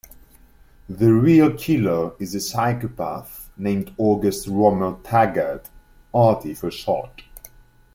The real killer is a psychopath named August Rommel Taggart, Arty for short.